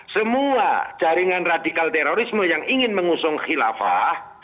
semua jaringan radikal terorisme yang ingin mengusung khilafah